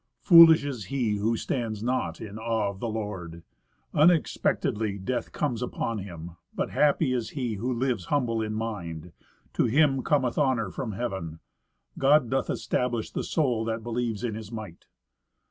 Foolish is he who stands not in awe of the Lord ŌĆö Unexpededly death comes upon him; but happy is he Who lives humble in mind, to him cometh honor from heaven; God doth establish the soul that believes in His might.